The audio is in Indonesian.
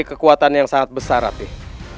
kekuatan yang sangat besar hati